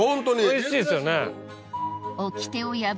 おいしいですよね。